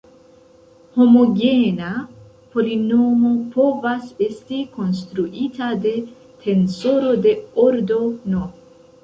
Homogena polinomo povas esti konstruita de tensoro de ordo "n".